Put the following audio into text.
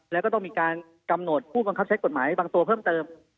แล้วก็ต้องมีการกำหนดผู้บังคับใช้กฎหมายบางตัวเพิ่มเติม